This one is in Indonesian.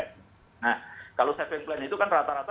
nah kalau saving plan itu kan rata rata